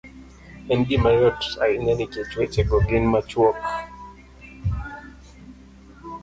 En gima yot ahinya nikech weche go gin machuok.